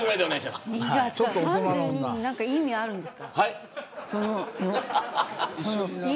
何か意味あるんですか。